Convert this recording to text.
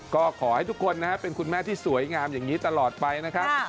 ก็ขอให้ทุกคนนะครับเป็นคุณแม่ที่สวยงามอย่างนี้ตลอดไปนะครับ